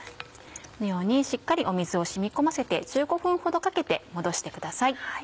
このようにしっかり水を染み込ませて１５分ほどかけて戻してください。